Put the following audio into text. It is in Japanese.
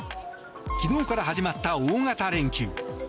昨日から始まった大型連休。